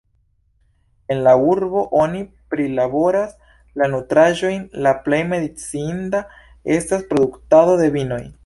En la urbo oni prilaboras la nutraĵojn, la plej menciinda estas produktado de vinoj.